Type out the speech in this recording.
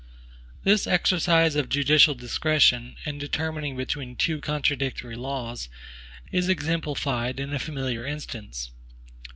This exercise of judicial discretion, in determining between two contradictory laws, is exemplified in a familiar instance.